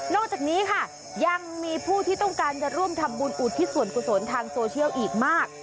จากนี้ค่ะยังมีผู้ที่ต้องการจะร่วมทำบุญอุทิศส่วนกุศลทางโซเชียลอีกมาก